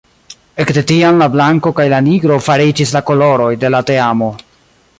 Ekde tiam la blanko kaj la nigro fariĝis la koloroj de la teamo.